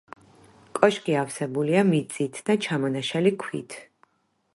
კოშკი ავსებულია მიწით და ჩამონაშალი ქვით.